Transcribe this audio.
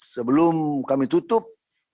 sebelum kami tutup